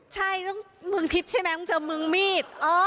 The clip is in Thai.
ใช่ต้องเมืองทิพย์ใช่ไหมต้องเจอเมืองมีด